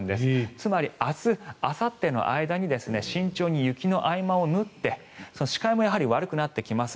つまり明日あさっての間に慎重に雪の合間を縫って視界もやはり悪くなってきます。